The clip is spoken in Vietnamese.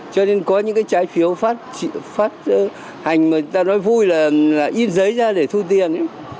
cho nên có những trái phiếu phát hành mà người ta nói vui là im giấy ra để thu tiền